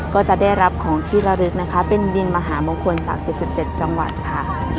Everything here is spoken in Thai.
ก็จะได้รับของพิธาฤทธิ์นะคะเป็นวีนมหามงคลจาก๑๗จังหวัดค่ะ